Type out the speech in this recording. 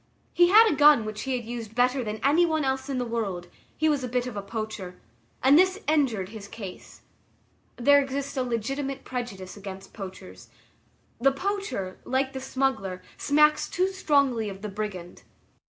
He had a gun which he used better than any one else in the world, he was a bit of a poacher, and this injured his case. There exists a legitimate prejudice against poachers. The poacher, like the smuggler, smacks too strongly of the brigand.